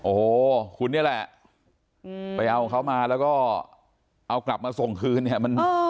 โอ้โหคุณนี่แหละไปเอาเขามาแล้วก็เอากลับมาส่งคืนเนี่ย